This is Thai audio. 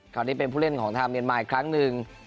คราวนี้เป็นหุ้นแรงของท่านเมียนมาอีกครั้งนึง